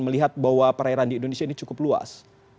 melihat bahwa perairan di indonesia ini cukup luas